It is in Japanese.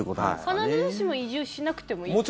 必ずしも移住しなくてもいいってことですか？